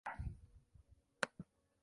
El resto del equipo Star Fox fue a su manera.